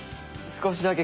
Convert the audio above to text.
少しだけ。